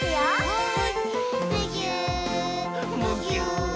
はい！